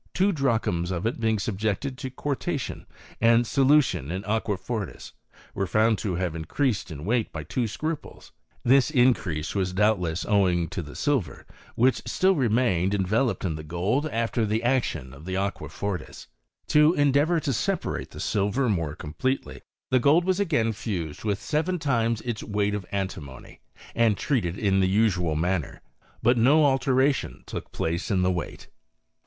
Two drachms of it being subjected to quartation, and solu tion in aqua fortis, were found to have increased in weight by two scruples. This increase was doubtless owing to the silver, which still remained enveloped in c 2 20 HISTORY OF CHEMISTRY. the goldy after the action of the aqua fortis. To en deavour to separate the silver more completely, the gold was again fused with seven times its weight of antimony, and treated in the usual manner; but no alteration took place in the weight.